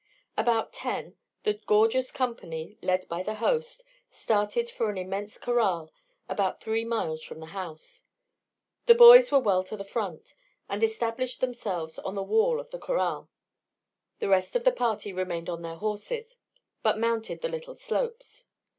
About ten the gorgeous company, led by the host, started for an immense corral about three miles from the house. The boys were well to the front, and established themselves on the wall of the corral. The rest of the party remained on their horses, but mounted the little slopes.